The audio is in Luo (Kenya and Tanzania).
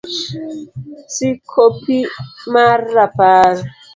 c-Kopi mar Rapar